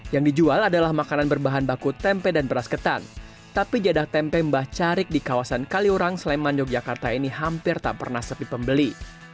yang dijual adalah makanan berbahan baku tempe dan beras ketan tapi jadah tempe mbah carik di kawasan kaliurang sleman yogyakarta ini hampir tak pernah sepi pembeli